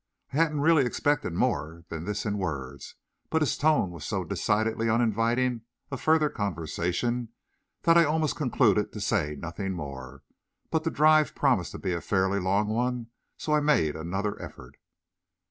I hadn't really expected more than this in words, but his tone was so decidedly uninviting of further conversation that I almost concluded to say nothing more. But the drive promised to be a fairly long one, so I made another effort.